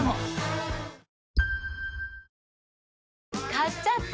買っちゃった！